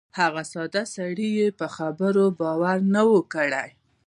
هغه ساده سړي یې په خبرو باور نه وای کړی.